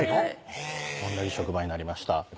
へぇ同じ職場になりました